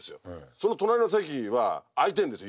その隣の席は空いてるんですよ